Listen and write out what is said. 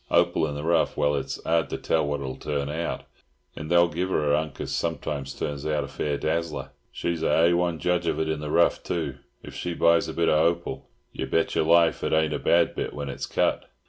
Hopal in the rough, well, it's 'ard to tell what it'll turn out, and they'll give 'er a 'unk as sometimes turns out a fair dazzler. She's a hay one judge of it in the rough, too. If she buys a bit of hopal, yer bet yer life it ain't a bad bit when it's cut.